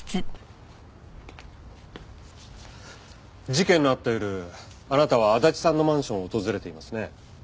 事件のあった夜あなたは足立さんのマンションを訪れていますね。